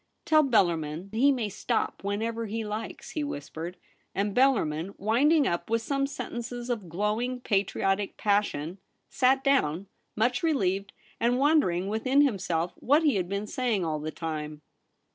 ' Tell Bellarmin he may stop whenever he likes,' he whispered; and Bellarmin, winding up with some sen tences of glowing patriotic passion, sat down, much relieved, and wondering within himself what he had been saying all the time.